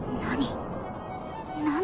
何？